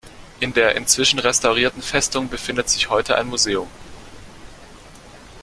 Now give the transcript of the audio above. In der inzwischen restaurierten Festung befindet sich heute ein Museum.